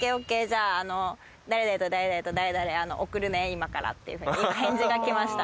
「今から」っていうふうに今返事が来ました。